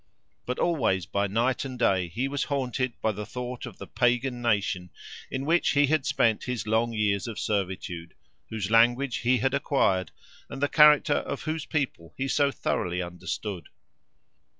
But always by night and day he was haunted by the thought of the Pagan nation in which he had spent his long years of servitude, whose language he had acquired, and the character of whose people he so thoroughly understood.